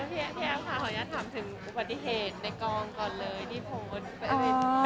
เอ้าพี่แอบขออนุญาตถามถึงปฏิเหตุในกลองก่อนเลย